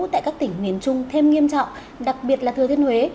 tại các tỉnh miền trung thêm nghiêm trọng đặc biệt là thừa thiên huế